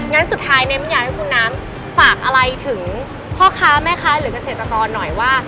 งั้นสุดท้ายเน้นอยากให้คุณน้ำฝากอะไรถึงพ่อค้าแม่ค้าหรือเกษตรกรหน่อยว่า